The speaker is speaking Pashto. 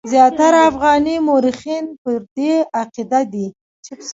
زیاتره افغاني مورخین پر دې عقیده دي.